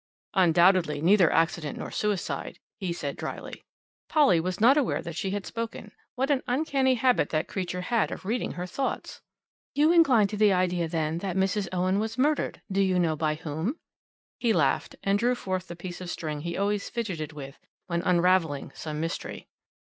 "Undoubtedly neither accident nor suicide," he said dryly. Polly was not aware that she had spoken. What an uncanny habit that creature had of reading her thoughts! "You incline to the idea, then, that Mrs. Owen was murdered. Do you know by whom?" He laughed, and drew forth the piece of string he always fidgeted with when unravelling some mystery.